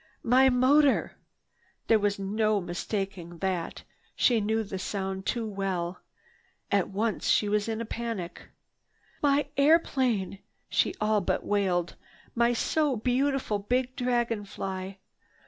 "My motor!" There was no mistaking that. She knew the sound too well. At once she went into a panic. "My airplane!" she all but wailed. "My so beautiful big dragon fly!